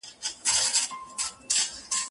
فاصله مو ده له مځکي تر تر اسمانه